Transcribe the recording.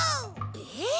えっ？